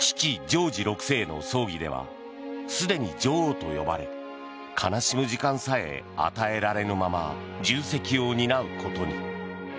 ジョージ６世の葬儀ではすでに女王と呼ばれ悲しむ時間さえ与えられぬまま重責を担うことに。